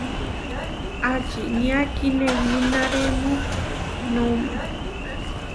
¿Ačinia kinewináremu noʼma?